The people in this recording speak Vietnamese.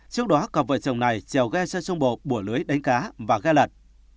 trước đó cặp vợ chồng này chèo ghe sang sông bộ bùa lưới đánh cá và ghe lật